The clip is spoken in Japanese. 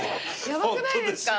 ヤバくないですか。